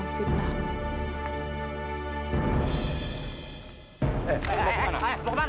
aku tidak bisa berhenti mencari